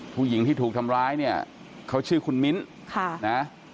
ผู้หญิงที่ถูกทำร้ายเนี่ยเขาชื่อคุณมิ้นค่ะนะ